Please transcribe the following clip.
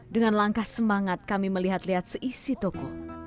dengan langkah semangat kami melihat lihat seisi toko